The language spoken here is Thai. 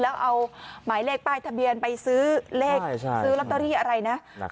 แล้วเอาหมายเลขป้ายทะเบียนไปซื้อเลขซื้อลอตเตอรี่อะไรนะ